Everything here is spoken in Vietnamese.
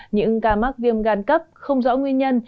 những ca mắc viêm gan cấp không rõ nguyên nhân